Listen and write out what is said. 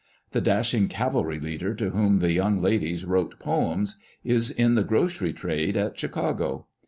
The dashing cavalry leader to whom the young ladies wrote poems, is in the grocery trade at Chicago.